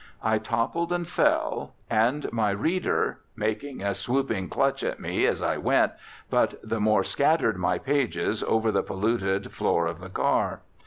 I toppled and fell, and my reader, making a swooping clutch at me as I went, but the more scattered my pages over the polluted floor of the car.